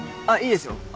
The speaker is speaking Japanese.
あっいいですよ